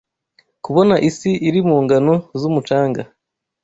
Kubona isi iri mu ngano z'umucanga